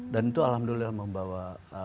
dan itu alhamdulillah membawa